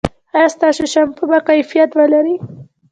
ایا ستاسو شامپو به کیفیت ولري؟